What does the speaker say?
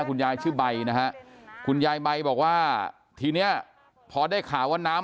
คุณยายชื่อใบนะฮะคุณยายใบบอกว่าทีเนี้ยพอได้ข่าวว่าน้ำ